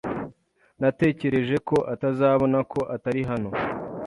Natekereje ko atazabona ko atari hano.